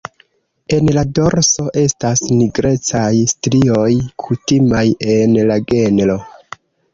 En la dorso estas nigrecaj strioj kutimaj en la genro.